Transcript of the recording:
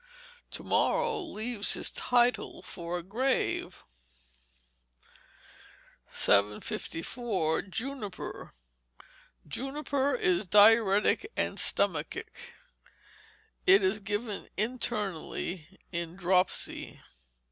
[TO MORROW, LEAVES HIS TITLE FOR A GRAVE.] 754. Juniper Juniper is diuretic and stomachic. It is given internally in dropsy.